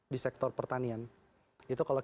di sektor pertanian itu kalau